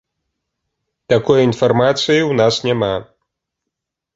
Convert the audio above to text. Такой інфармацыі ў нас няма.